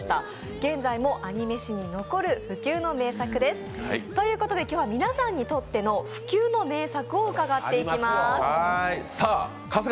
現在もアニメ史に残る不朽の名作です。ということで今日は皆さんにとっての不朽の名作を伺っていきます。